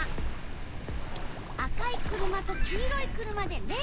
赤い車と黄色い車でレースをするよ！